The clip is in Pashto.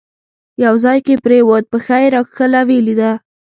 یو ځای کې پرېوت، پښه یې راکښله، یې ولیده.